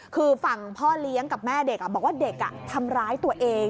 คือฝั่งพ่อเลี้ยงกับแม่เด็กบอกว่าเด็กทำร้ายตัวเอง